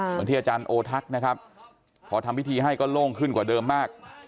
เหมือนที่อาจารย์โอทักนะครับพอทำพิธีให้ก็โล่งขึ้นกว่าเดิมมาก